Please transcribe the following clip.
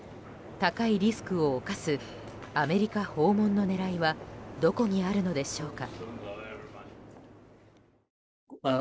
高いリスクを冒すアメリカ訪問の狙いはどこにあるのでしょうか。